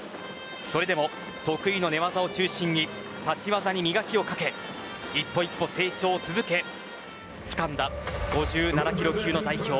それでも、得意の寝技を中心に立ち技に磨きをかけ一歩一歩成長を続けつかんだ５７ｋｇ級の代表。